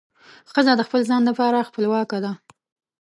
ښځه د خپل ځان لپاره خپلواکه ده.